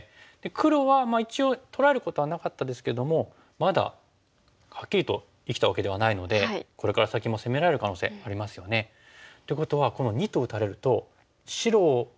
黒はまあ一応取られることはなかったですけどもまだはっきりと生きたわけではないのでこれから先も攻められる可能性ありますよね。ということはこの②と打たれると白を守りながら黒を攻める。